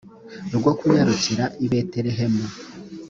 rwo kunyarukira i betelehemu